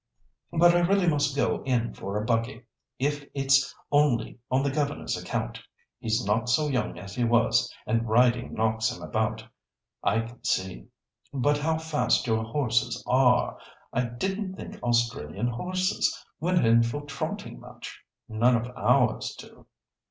But I really must go in for a buggy, if it's only on the governor's account. He's not so young as he was, and riding knocks him about, I can see. But how fast your horses are! I didn't think Australian horses went in for trotting much. None of ours do."